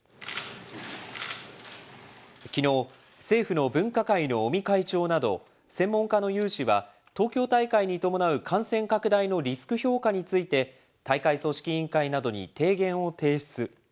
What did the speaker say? きのう、政府の分科会の尾身会長など、専門家の有志は、東京大会に伴う感染拡大のリスク評価について、大会組織委員会などに提言を提出。